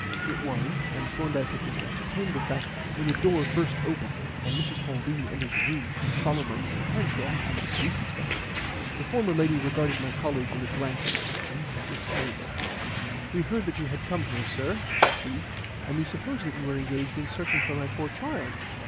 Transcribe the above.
It was; and Thorndyke had just ascertained the fact when the door burst open and Mrs. Haldean entered the room, followed by Mrs. Hanshaw and the police inspector. The former lady regarded my colleague with a glance of extreme disfavour. "We heard that you had come here, sir," said she, "and we supposed you were engaged in searching for my poor child.